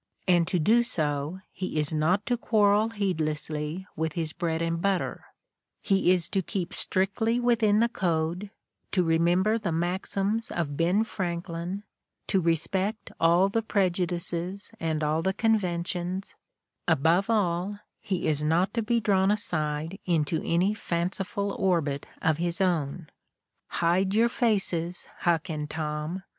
And to do so he is not to quarrel heed lessly with his bread and butter, he is to keep strictly within the code, to remember the maxims of Ben Franklin, to respect all the prejudices and all the con ventions; above all, he is not to be drawn aside into any fanciful orbit of his own! ... Hide your faces, Huck and Tom!